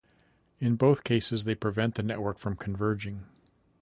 In both cases, they prevent the network from converging.